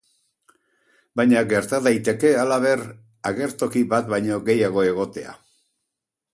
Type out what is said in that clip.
Baina gerta daiteke, halaber, agertoki bat baino gehiago egotea.